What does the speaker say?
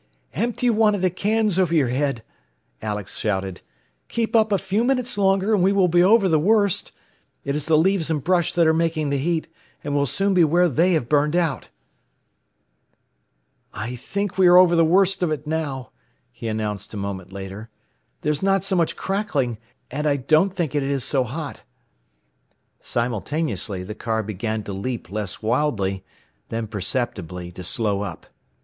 "Empty one of the cans over your head," Alex shouted. "Keep up a few minutes longer, and we will be over the worst. It is the leaves and brush that are making the heat, and we'll soon be where they have burned out. "I think we are over the worst of it now," he announced a moment later. "There's not so much crackling; and I don't think it is so hot." Simultaneously the car began to leap less wildly, then perceptibly to slow up.